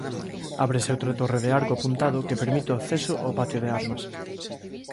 Ábrese outra torre de arco apuntado que permite o acceso ao patio de armas.